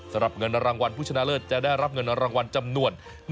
สำหรับเงินรางวัลผู้ชนะเลิศจะได้รับเงินรางวัลจำนวน